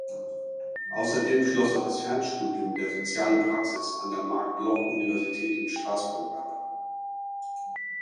Außerdem schloss er das Fernstudium der „Sozialen Praxis“ an der Marc-Bloch-Universität in Straßburg ab.